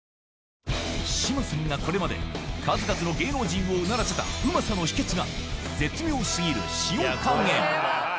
志麻さんがこれまで数々の芸能人をうならせたうまさの秘訣が絶妙過ぎる塩加減まぁまぁ。